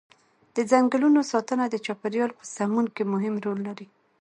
د ځنګلونو ساتنه د چاپیریال په سمون کې مهم رول لري.